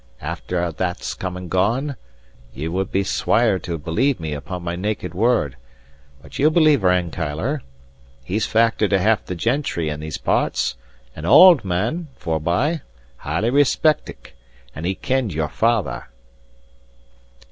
After a' that's come and gone, ye would be swier* to believe me upon my naked word; but ye'll believe Rankeillor. He's factor to half the gentry in these parts; an auld man, forby: highly respeckit, and he kenned your father."